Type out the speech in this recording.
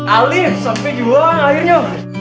alif sampai juang akhirnya